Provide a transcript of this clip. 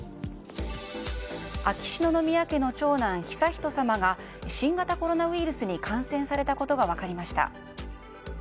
秋篠宮家の長男・悠仁さまが新型コロナウイルスに感染されたことが分かりました。